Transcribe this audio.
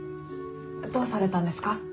どうされたんですか？